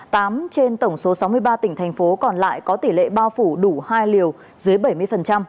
tám trên tổng số sáu mươi ba tỉnh thành phố còn lại có tỉ lệ bao phủ đủ hai liều từ bảy mươi đến dưới chín mươi